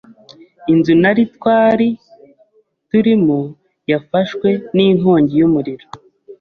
Inzu nari twari turimo yafashwe n’inkongi y’umuriro